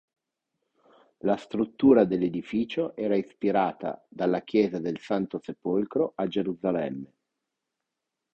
La struttura dell'edificio era ispirata dalla chiesa del Santo Sepolcro a Gerusalemme.